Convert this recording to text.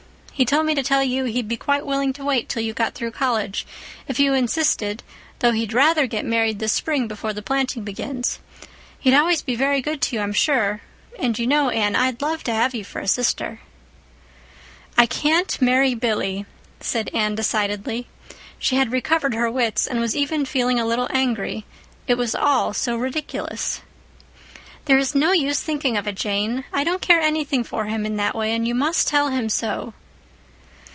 He told me to tell you he'd be quite willing to wait till you got through college, if you insisted, though he'd rather get married this spring before the planting begins. He'd always be very good to you, I'm sure, and you know, Anne, I'd love to have you for a sister." "I can't marry Billy," said Anne decidedly. She had recovered her wits, and was even feeling a little angry. It was all so ridiculous. "There is no use thinking of it, Jane. I don't care anything for him in that way, and you must tell him so."